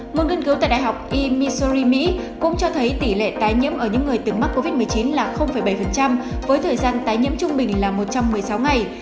một nghiên cứu tại đại học e misori mỹ cũng cho thấy tỷ lệ tái nhiễm ở những người từng mắc covid một mươi chín là bảy với thời gian tái nhiễm trung bình là một trăm một mươi sáu ngày